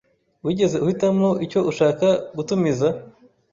Wigeze uhitamo icyo ushaka gutumiza?